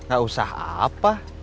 gak usah apa